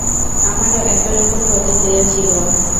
আমারও একই রকম প্রতিক্রিয়া ছিল।